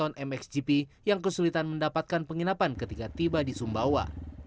korban mxgp yang kesulitan mendapatkan penginapan ketika tiba di sumbawa